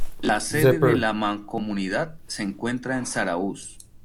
La sede de la mancomunidad se encuentra en Zarauz.